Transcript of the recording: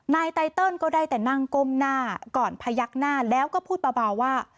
ไตเติลก็ได้แต่นั่งก้มหน้าก่อนพยักหน้าแล้วก็พูดเบาว่า